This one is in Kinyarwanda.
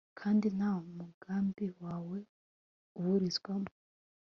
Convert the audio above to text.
kandi nta mugambi wawe uburizwamo